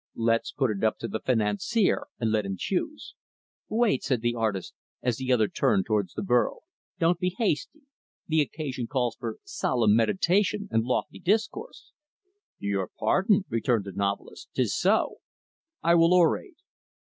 "Let's put it up to the financier and let him choose." "Wait," said the artist, as the other turned toward the burro, "don't be hasty the occasion calls for solemn meditation and lofty discourse." "Your pardon," returned the novelist, "'tis so. I will orate."